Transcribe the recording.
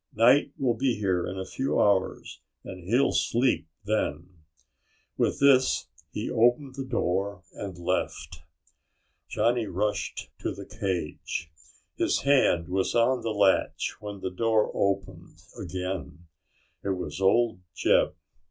Night will be here in a few hours and he'll sleep then." With this he opened the door and left. Johnny rushed to the cage. His hand was on the latch when the door opened again. It was old Jeb.